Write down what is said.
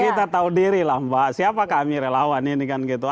kita tahu diri lah mbak siapa kami relawan ini kan gitu